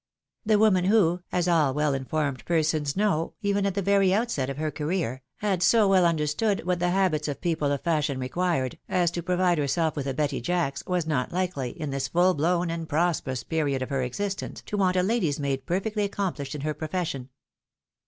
The woman who, as all weE informed persons know, even at the very outset of her career, had so well understood what the habits of people of fashion required, as to provide herself with a Betty Jacks, was not likely, in this full blown and pros perous period of her existence, to want a lady's maid perfectly accomplished in her profession.